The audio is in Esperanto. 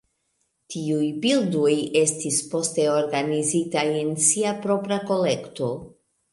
Tiuj bildoj estis poste organizitaj en sia propra kolekto.